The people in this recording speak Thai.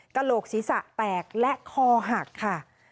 กระโหลกศีรษะแตกและคอหักค่ะ